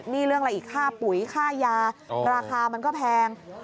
นี่เรื่องอะไรอีกค่าปุ๋ยค่ายาราคามันก็แพง